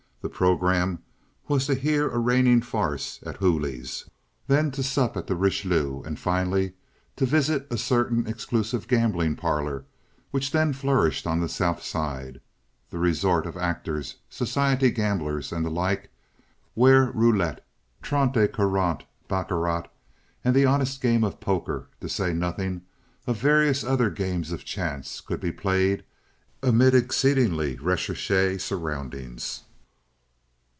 The programme was to hear a reigning farce at Hooley's, then to sup at the Richelieu, and finally to visit a certain exclusive gambling parlor which then flourished on the South Side—the resort of actors, society gamblers, and the like—where roulette, trente et quarante, baccarat, and the honest game of poker, to say nothing of various other games of chance, could be played amid exceedingly recherche surroundings.